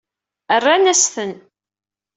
Rran-as-ten.